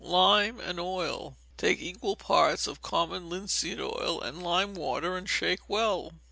Lime and Oil. Take equal parts of common linseed oil and lime water and shake well.